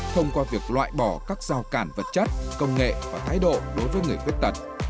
thông qua việc loại bỏ các rào cản vật chất công nghệ và thái độ đối với người khuyết tật